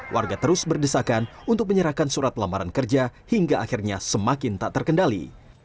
warga terus berdesakan untuk menyerahkan surat lamaran kerja hingga akhirnya semakin tak terkendali